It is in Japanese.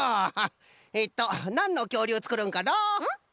えっとなんのきょうりゅうつくるんかのう？